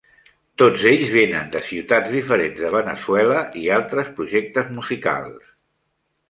Tots ells venen de ciutats diferents de Venezuela i altres projectes musicals.